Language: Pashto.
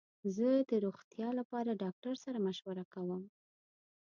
زه د روغتیا لپاره ډاکټر سره مشوره کوم.